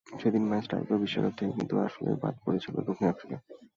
সেদিন match tie করেও বিশ্বকাপ থেকে কিন্তু আসলেই বাদ পড়েছিল দক্ষিণ আফ্রিকা।